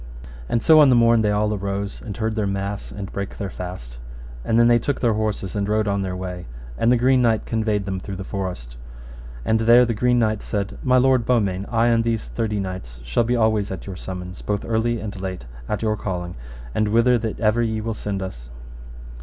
And so on the morn they all arose, and heard their mass and brake their fast; and then they took their horses and rode on their way, and the Green Knight conveyed them through the forest; and there the Green Knight said, My lord Beaumains, I and these thirty knights shall be always at your summons, both early and late, at your calling and whither that ever ye will send us.